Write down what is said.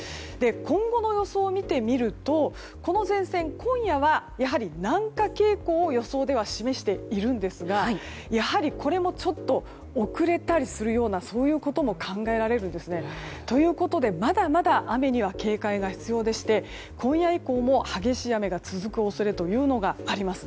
今後の予想を見てみるとこの前線、今夜は南下傾向を予想では示しているんですがやはり、これもちょっと遅れたりするようなことも考えられるんですね。ということで、まだまだ雨には警戒が必要でして今夜以降も激しい雨が続く恐れがあります。